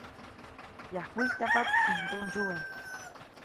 Yajkwijtyajpaʼt ʼäj nduʼndsyuwe.